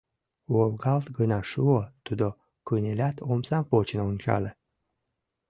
Волгалт гына шуо, тудо кынелят, омсам почын ончале.